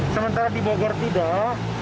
sementara di bogor tidak